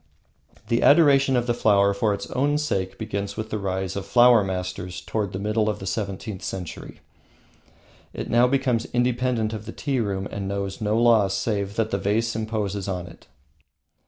The adoration of the flower for its own sake begins with the rise of "Flower Masters," toward the middle of the seventeenth century. It now becomes independent of the tea room and knows no law save that the vase imposes on it.